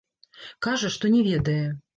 Кажа, што не ведае.